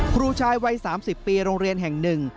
ครูชายวัย๓๐ปีโรงเรียนแห่งหนึ่ง